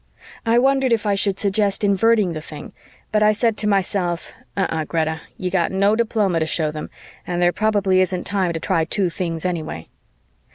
I wondered if I should suggest Inverting the thing, but I said to myself, "Uh uh, Greta, you got no diploma to show them and there probably isn't time to try two things, anyway."